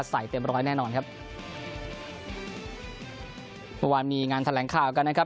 เต็มร้อยแน่นอนครับเมื่อวานมีงานแถลงข่าวกันนะครับ